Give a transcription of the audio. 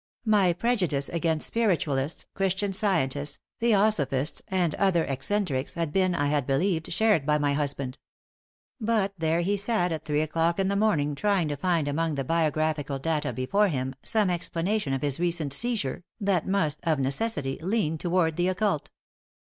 My prejudice against Spiritualists, Christian Scientists, Theosophists and other eccentrics had been, I had believed, shared by my husband. But there he sat at three o'clock in the morning trying to find among the biographical data before him some explanation of his recent "seizure," that must, of necessity, lean toward the occult.